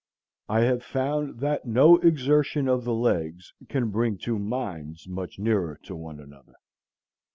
I have found that no exertion of the legs can bring two minds much nearer to one another.